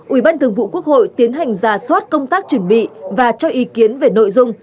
ủy ban thường vụ quốc hội tiến hành giả soát công tác chuẩn bị và cho ý kiến về nội dung